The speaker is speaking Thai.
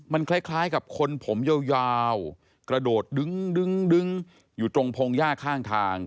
มันคล้ายกับคนผมยาวกระโดดดึงอยู่ตรงพงหญ้าข้างทาง